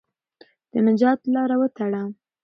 د نجات لاره وتړه.